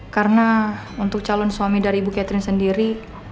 karena untuk calon suami dari ibu catherine sendiri